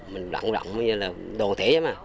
mình vận động như là đồ thể